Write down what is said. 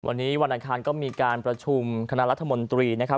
วันนี้วันอันทางก็มีการประชุมคณะรัฐมนตรี